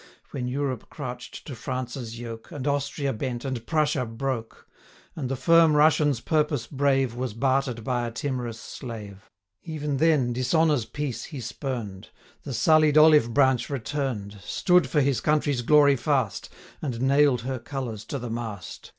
When Europe crouch'd to France's yoke, And Austria bent, and Prussia broke, 155 And the firm Russian's purpose brave, Was barter'd by a timorous slave, Even then dishonour's peace he spurn'd, The sullied olive branch return'd, Stood for his country's glory fast, 160 And nail'd her colours to the mast!